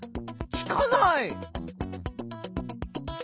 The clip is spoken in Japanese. つかない！